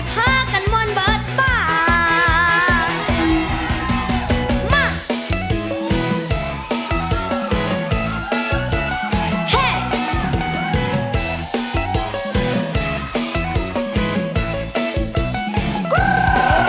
พากันมนต์เปิดบ้าน